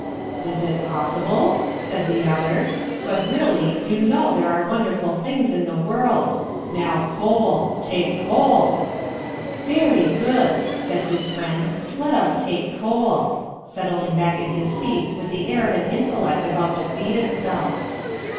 "Is it possible?" said the other. "But really, you know there are wonderful things in the world. Now, coal ... take coal...." "Very, good," said his friend, "let us take coal," settling back in his seat with the air of an intellect about to feed itself.